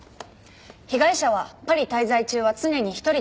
被害者はパリ滞在中は常に一人で行動。